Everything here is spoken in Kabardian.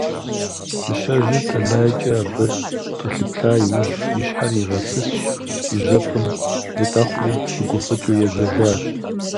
Мыщэжьыр тэлайкӀэ абы кӀэлъыплъа иужь, и щхьэр игъэсысщ, и жьэпкъым етӀэхъури пыгуфӀыкӀыу ежьэжащ.